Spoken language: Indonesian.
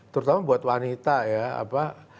terutama buat wanita ya